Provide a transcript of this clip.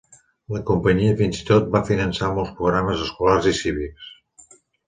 La companyia fins i tot va finançar molts programes escolars i cívics.